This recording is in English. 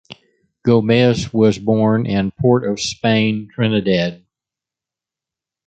Gomez was born in Port of Spain, Trinidad.